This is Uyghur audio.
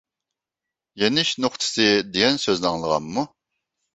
"يېنىش نۇقتىسى" دېگەن سۆزنى ئاڭلىغانمۇ؟